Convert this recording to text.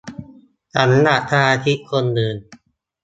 สำหรับสมาชิกคนอื่น